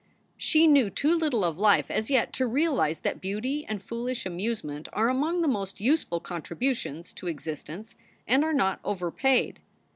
She knew too little of life as yet to realize that beauty and foolish amusement are among the most useful contributions to existence and are not overpaid.